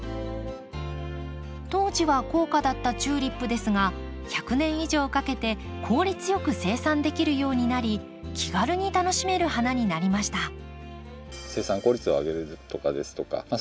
当時は高価だったチューリップですが１００年以上かけて効率よく生産できるようになり気軽に楽しめる花になりました。